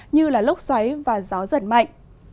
như là lốc xoáy và gió giật mạnh